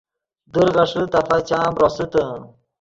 در غیݰے تفا چام روسیتے